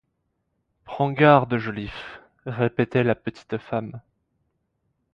Prends garde, Joliffe! répétait la petite femme.